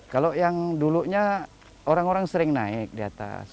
kalau yang dulunya orang orang sering naik di atas